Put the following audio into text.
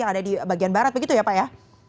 yang ada di bagian barat begitu ya pak ya